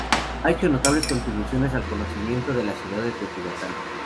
Ha hecho notables contribuciones al conocimiento de la ciudad de Teotihuacán.